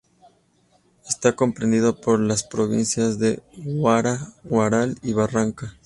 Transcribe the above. Está comprendido por las provincias de Huaura, Huaral y Barranca.